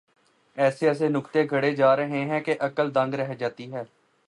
ایسے ایسے نکتے گھڑے جا رہے ہیں کہ عقل دنگ رہ جاتی ہے۔